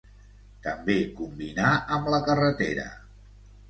També combinà amb la carretera.